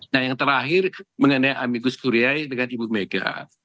nah yang terakhir mengenai amigus kuryai dengan ibu mega